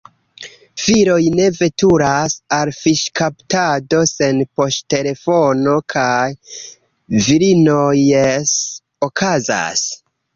Viroj ne veturas al fiŝkaptado sen poŝtelefono, kaj virinoj – jes, okazas!